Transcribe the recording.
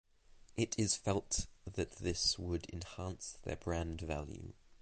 It is felt that this would enhance their brand value.